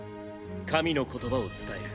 神の言葉を伝える。